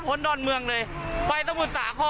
ตกแล้วไง๒๐๐บาท